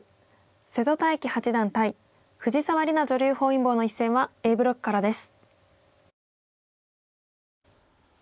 瀬戸大樹八段対藤沢里菜女流本因坊の一戦はＡブロックからです。